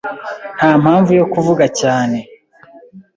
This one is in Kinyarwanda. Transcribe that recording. Nta mpamvu yo kuvuga cyane.